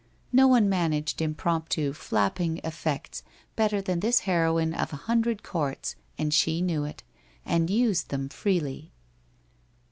No one managed impromptu, flapping, effects better than this heroine of a hundred courts and she knew it, and used them freely.